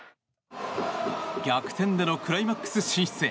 逆転でのクライマックス進出へ。